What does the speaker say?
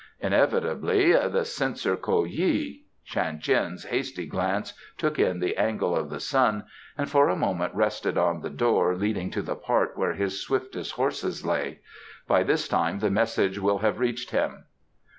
"Inevitably: the Censor K'o yih!" Shan Tien's hasty glance took in the angle of the sun and for a moment rested on the door leading to the part where his swiftest horses lay. "By this time the message will have reached him?"